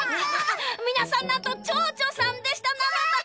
みなさんなんとちょうちょさんでしたなのだ！